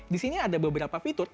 di sini ada beberapa fitur